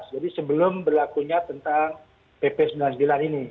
jadi sebelum berlakunya tentang pp sembilan puluh sembilan ini